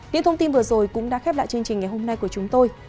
những thông tin vừa rồi cũng đã khép lại chương trình ngày hôm nay của chúng tôi